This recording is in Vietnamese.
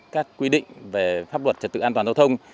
các quy định về pháp luật trật tự an toàn giao thông